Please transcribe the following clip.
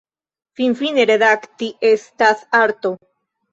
Finfine, redakti estas arto.